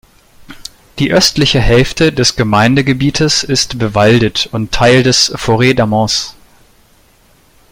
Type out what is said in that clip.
Die östliche Hälfte des Gemeindegebietes ist bewaldet und Teil des "Forêt d’Amance".